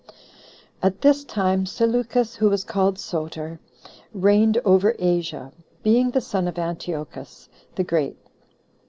10. At this time Seleucus, who was called Soter, reigned over Asia, being the son of Antiochus the Great.